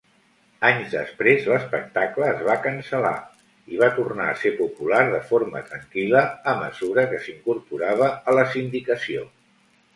Anys després l'espectacle es va cancel·lar, i va tornar a ser popular de forma tranquil·la a mesura que s'incorporava a la sindicació.